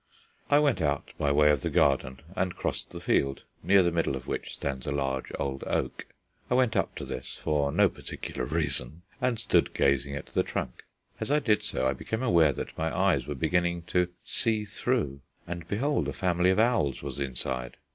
I went out by way of the garden and crossed the field, near the middle of which stands a large old oak. I went up to this, for no particular reason, and stood gazing at the trunk. As I did so I became aware that my eyes were beginning to "see through," and behold! a family of owls was inside.